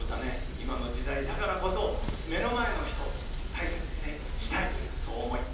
今の時代だからこそ目の前の人、大切にしたいというそういう思い。